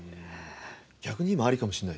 逆に今ありかもしれないですね。